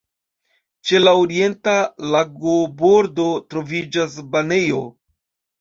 Ĉe la orienta lagobordo troviĝas banejo.